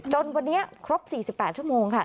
จนวันนี้ครบ๔๘ชั่วโมงค่ะ